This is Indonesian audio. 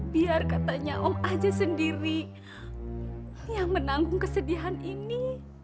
biar katanya om aja sendiri yang menanggung kesedihan ini